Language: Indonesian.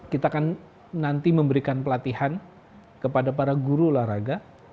kita akan nanti memberikan pelatihan kepada para guru olahraga